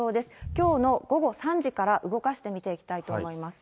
きょうの午後３時から動かして見ていきたいと思います。